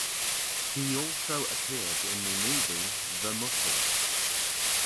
He also appeared in the movie "The Muppets".